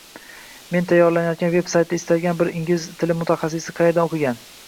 Men tayyorlayotgan veb-saytda istalgan bir ingliz tili mutaxassisi qayerda o‘qigan